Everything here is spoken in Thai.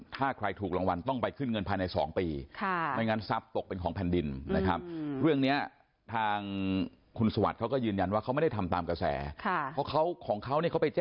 ถ้าใครถูกรางวัลต้องไปขึ้นเงินภายใน๒ปีนะครับ